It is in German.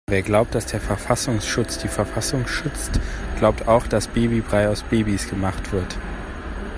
Wer glaubt, dass der Verfassungsschutz die Verfassung schützt, glaubt auch dass Babybrei aus Babys gemacht wird.